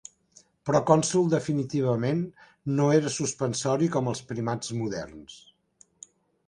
Proconsul definitivament no era suspensori com els primats moderns.